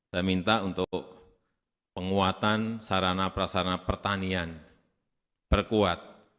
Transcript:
saya minta untuk penguatan sarana prasarana pertanian perkuat